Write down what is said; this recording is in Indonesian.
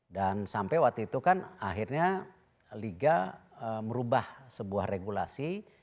dan sampai waktu itu kan akhirnya liga merubah sebuah regulasi